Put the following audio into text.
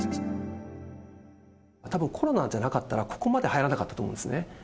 たぶんコロナじゃなかったら、ここまではやらなかったと思うんですね。